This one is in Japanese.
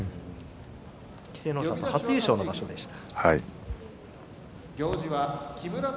稀勢の里初優勝の場所でした。